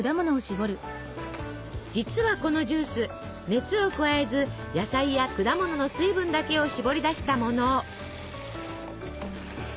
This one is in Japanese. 実はこのジュース熱を加えず野菜や果物の水分だけをしぼり出したもの。